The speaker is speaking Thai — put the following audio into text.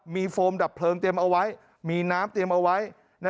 มีโฟมดับเพลิงเตรียมเอาไว้มีน้ำเตรียมเอาไว้